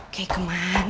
kayy ibu udah pulang